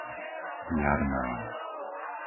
Jarná